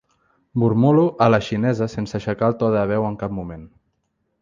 Mormolo a la xinesa sense aixecar el to de veu en cap moment.